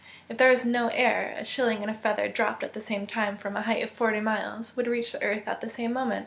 If there were no air, a shilling and a feather dropped at the same time from a height of forty miles, would reach the earth at the same moment.